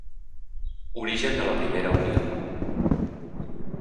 Origen de la primera Unió.